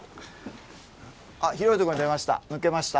あっ広いとこに出ました。